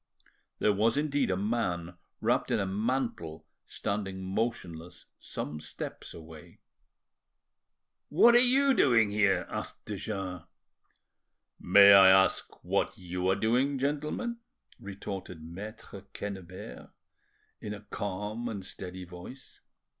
There was indeed a man wrapped in a mantle standing motionless some steps away. "What are you doing here?" asked de Jars. "May I ask what you are doing, gentlemen?" retorted Maitre Quennebert, in a calm and steady voice.